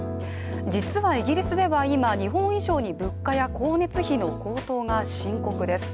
実はイギリスでは今、日本以上に物価や光熱費の高騰が深刻です。